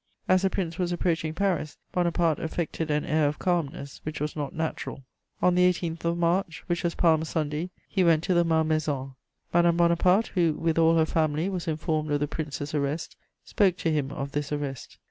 As the Prince was approaching Paris, Bonaparte affected an air of calmness which was not natural. On the 18th of March, which was Palm Sunday, he went to the Malmaison. Madame Bonaparte, who, with all her family, was informed of the Prince's arrest, spoke to him of this arrest.